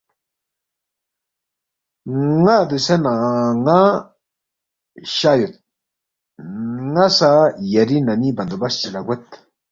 نہ دوسے ن٘ا شا یود نہ سہ یری نمی بندوبست چی لہ گوید